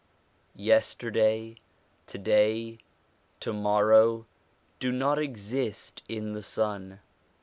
Yester day, to day, to morrow do not exist in the sun.